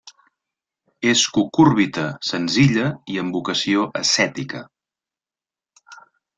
És cucúrbita senzilla i amb vocació ascètica.